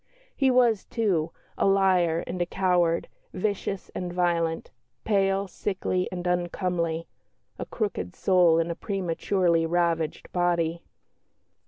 He was, too, "a liar and a coward, vicious and violent; pale, sickly, and uncomely a crooked soul in a prematurely ravaged body."